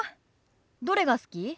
どれが好き？